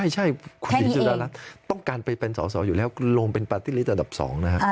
ใช่คุณหญิงสุดารัฐต้องการไปเป็นสอสออยู่แล้วคุณลงเป็นปาร์ตี้ลิตอันดับ๒นะฮะ